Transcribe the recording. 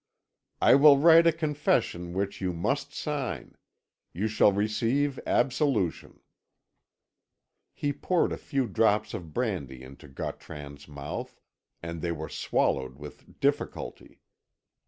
"I will write a confession which you must sign. Then you shall receive absolution." He poured a few drops of brandy into Gautran's mouth, and they were swallowed with difficulty.